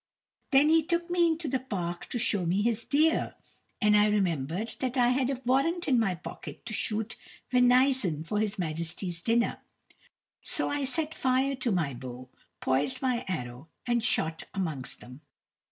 Then he took me into the park to show me his deer: and I remembered that I had a warrant in my pocket to shoot venison for his majesty's dinner. So I set fire to my bow, poised my arrow, and shot amongst them.